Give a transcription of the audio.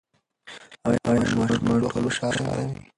ایا ماشومان ټول وخت خوشحاله وي؟